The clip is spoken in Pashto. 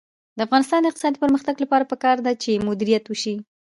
د افغانستان د اقتصادي پرمختګ لپاره پکار ده چې مدیریت وشي.